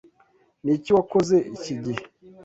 Niki wakoze iki gihe?